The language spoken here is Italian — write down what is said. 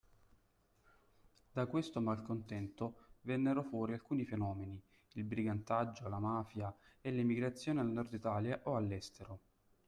Da questo malcontento vennero fuori alcuni fenomeni: il brigantaggio, la mafia e l’emigrazione al nord Italia o all’estero.